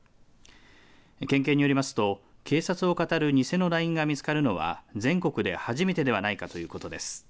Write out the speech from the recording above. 県警によりますと警察をかたる偽のＬＩＮＥが見つかるのは全国で、初めてではないかということです。